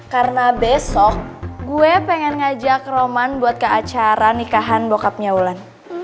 karena besok gue pengen ngajak roman buat ke acara nikahan bokapnya ulan